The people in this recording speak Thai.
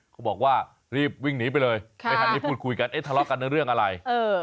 เขาบอกว่ารีบวิ่งหนีไปเลยไม่ทันได้พูดคุยกันเอ๊ะทะเลาะกันเรื่องอะไร